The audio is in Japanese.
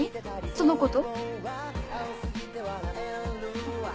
その子と？